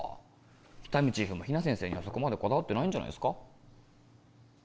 喜多見チーフも比奈先生にはそこまでこだわってないんじゃないすか？